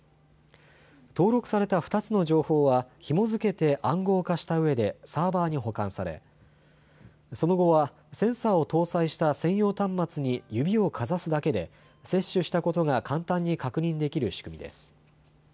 登録された２つの情報はひも付けて暗号化したうえでサーバーに保管されその後はセンサーを搭載した専用端末に指をかざすだけで接種したことが簡単に確認できる仕組みです。